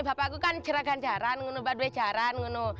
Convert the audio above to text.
bapak sangat yakin bahwa saya bisa mempeluk jaran kencak